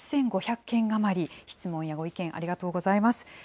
８５００件余り、質問やご意見、ありがとうございます。